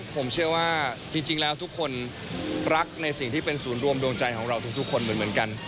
ผมเชื่อว่าจริงแล้วทุกคนรักในสิ่งที่เป็นศูนย์รวมดวงใจของเราทุกคนเหมือนกัน